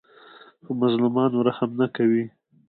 په مظلومانو رحم نه کوي.